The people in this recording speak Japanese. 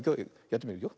やってみるよ。